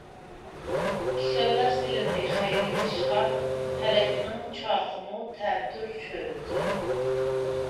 كىشەنلەر سېلىندى خەيرلىك ئىشقا پەلەكنىڭ چاقىمۇ تەتۈر چۆرۈلدى.